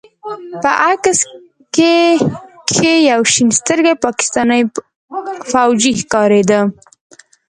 په عکس کښې يو شين سترګى پاکستاني فوجي ښکارېده.